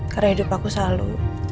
karena hidup aku selalu